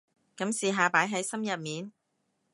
噉試下擺喺心入面